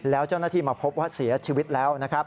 แล้วเจ้าหน้าที่มาพบว่าเสียชีวิตแล้วนะครับ